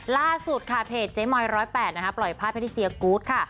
ล่าสุดค่ะเพจเจ๊มอย๑๐๘ปล่อยพาดแพทย์เซียกู๊ดค่ะ